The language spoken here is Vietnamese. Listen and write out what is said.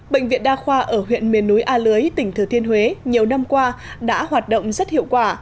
bệnh viện đa khoa ở huyện miền núi a lưới tỉnh thừa thiên huế nhiều năm qua đã hoạt động rất hiệu quả